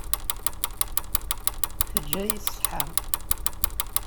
Teǧǧa-yi ṣṣeḥḥa.